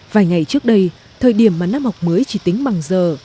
vài ngày trước đây thời điểm mà năm học mới chỉ tính bằng giờ